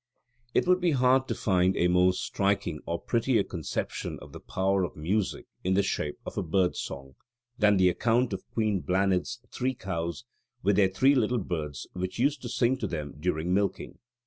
It would be hard to find a more striking or a prettier conception of the power of music in the shape of a bird song, than the account of Queen Blanid's three cows with their three little birds which used to sing to them during milking.